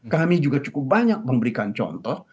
kami juga cukup banyak memberikan contoh